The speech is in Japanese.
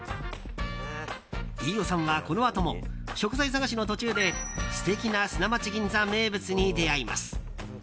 飯尾さんは、このあとも食材探しの途中で素敵な砂町銀座名物に出会います。